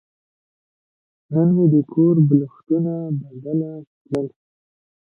نن مې د کور بالښتونه بدله کړل.